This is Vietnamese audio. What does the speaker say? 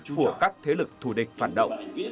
của các thế lực thù địch phản động